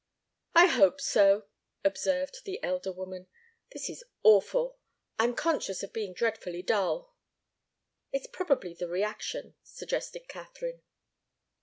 "I hope so," observed the elder woman. "This is awful. I'm conscious of being dreadfully dull." "It's probably the reaction," suggested Katharine.